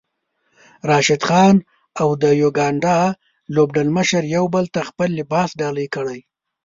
راشد خان او د يوګاندا لوبډلمشر يو بل ته خپل لباس ډالۍ کړی